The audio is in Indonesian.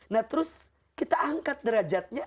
nah terus kita angkat derajatnya